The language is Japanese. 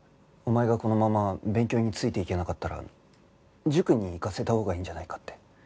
お前がこのまま勉強についていけなかったら塾に行かせたほうがいいんじゃないかって。